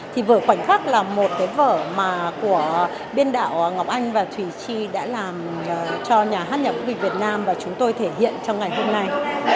thì vở khoảnh khắc là một cái vở mà của biên đạo ngọc anh và thủy chi đã làm cho nhà hát nhạc vũ kịch việt nam và chúng tôi thể hiện trong ngày hôm nay